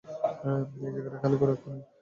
এই জায়গাটা খালি করো, এক্ষুণি!